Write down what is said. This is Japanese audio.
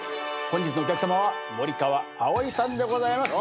本日のお客さまは森川葵さんでございます。